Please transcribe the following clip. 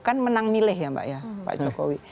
kan menang milih ya mbak ya pak jokowi